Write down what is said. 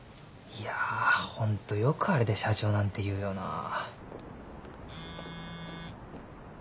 いやホントよくあれで社長なんていうよな。